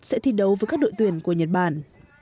sẽ thi đấu với các đội tuyển của nhật bản